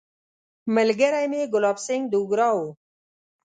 ملګری مې ګلاب سینګهه دوګرا وو.